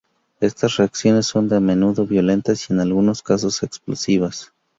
Estas reacciones son a menudo violentas, y en algunos casos explosivas.